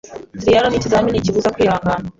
Triathlon ni ikizamini kibuza kwihangana.